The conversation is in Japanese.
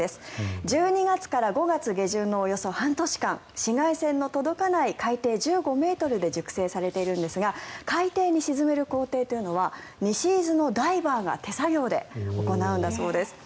１２月から５月下旬のおよそ半年間紫外線の届かない海底１５ｍで熟成されているんですが海底に沈める工程というのは西伊豆のダイバーが手作業で行うんだそうです。